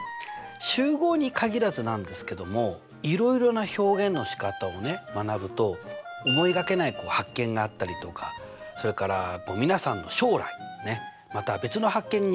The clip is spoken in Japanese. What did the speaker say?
集合に限らずなんですけどもいろいろな表現のしかたを学ぶと思いがけない発見があったりとかそれから皆さんの将来また別の発見につながったりとするんですね。